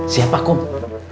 kamu tahu apa